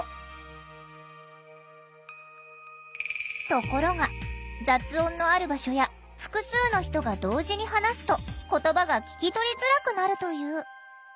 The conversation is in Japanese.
ところが雑音のある場所や複数の人が同時に話すと言葉が聞き取りづらくなるという。